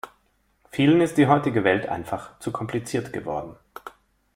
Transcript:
Vielen ist die heutige Welt einfach zu kompliziert geworden.